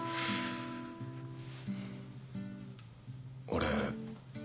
俺。